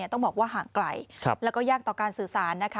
ต้องบอกว่าห่างไกลแล้วก็ยากต่อการสื่อสารนะคะ